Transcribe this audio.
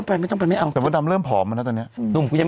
พี่พี่พี่พี่พี่พี่พี่พี่